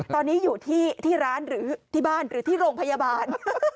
ตอนนี้อยู่ที่ร้านหรือที่บ้านหรือที่โรงพยาบาล